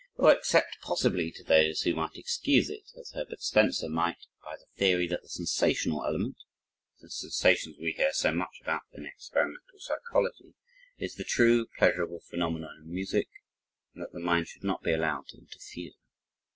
or, except, possibly to those who might excuse it, as Herbert Spencer might by the theory that the sensational element (the sensations we hear so much about in experimental psychology) is the true pleasurable phenomenon in music and that the mind should not be allowed to interfere?